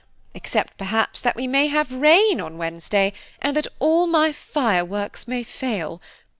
except perhaps that we may have rain on Wednesday, and that all my fireworks may fail.